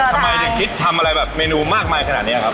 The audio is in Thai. ทำไมถึงคิดทำอะไรแบบเมนูมากมายขนาดนี้ครับ